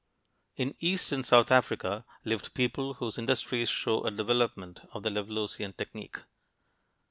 In east and south Africa lived people whose industries show a development of the Levalloisian technique.